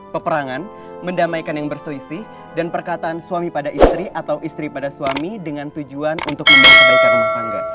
peperangan mendamaikan yang berselisih dan perkataan suami pada istri atau istri pada suami dengan tujuan untuk membangun kebaikan rumah tangga